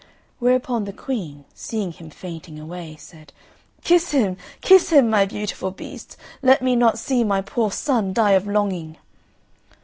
Whereupon the Queen, seeing him fainting away, said, "Kiss him, kiss him, my beautiful beast! Let me not see my poor son die of longing!"